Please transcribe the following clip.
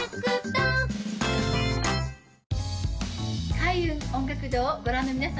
開運音楽堂をご覧の皆様